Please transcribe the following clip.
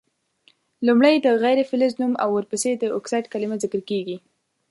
لومړی د غیر فلز نوم او ورپسي د اکسایډ کلمه ذکر کیږي.